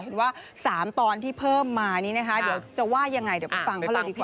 เห็นว่า๓ตอนที่เพิ่มมานี้นะคะเดี๋ยวจะว่ายังไงเดี๋ยวไปฟังเขาเลยดีค่ะ